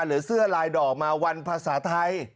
หรือเสื้อลายดอกมาวันภาษาไทย